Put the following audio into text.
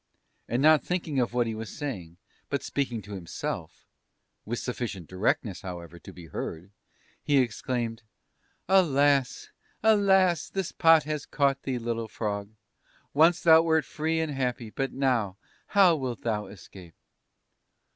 and, not thinking of what he was saying, but speaking to himself (with sufficient distinctness, however, to be heard), he exclaimed: "'Alas! alas!... this pot has caught thee, little Frog! Once thou wert free and happy, but now, how wilt thou escape?'